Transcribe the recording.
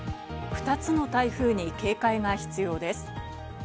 ２つの台風に警戒が必要です。